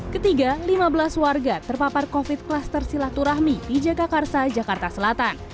ketiga lima belas warga terpapar covid sembilan belas klaster silaturahmi di jakakarsa jakarta selatan